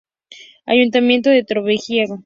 Ayuntamiento de Torrevieja.